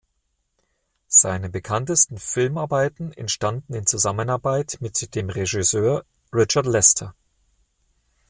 Seine bekanntesten Filmarbeiten entstanden in Zusammenarbeit mit dem Regisseur Richard Lester.